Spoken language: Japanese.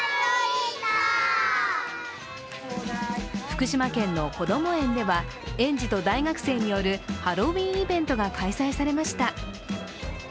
福島県のこども園では、園児と大学生によるハロウィーンイベントが開催されました。